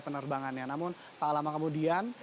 penerbangan ya namun tak lama kemudian